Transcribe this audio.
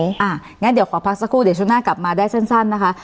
อย่างนั้นเดี๋ยวขอพักสักครู่เดี๋ยวช่วงหน้ากลับมาได้สั้นนะคะ